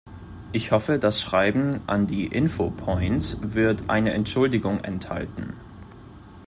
Ich hoffe, das Schreiben an die Info-Points wird eine Entschuldigung enthalten.